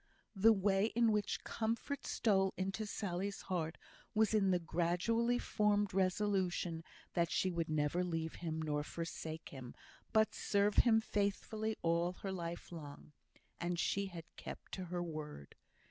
The way in which comfort stole into Sally's heart was in the gradually formed resolution that she would never leave him nor forsake him, but serve him faithfully all her life long; and she had kept to her word.